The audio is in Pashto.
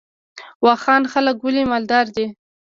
واخان خلک ولې مالدار دي؟